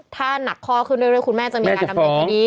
ถ้าหนักข้อขึ้นเรื่อยคุณแม่จะมีการดำเนินคดี